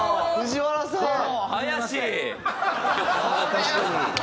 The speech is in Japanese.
確かに。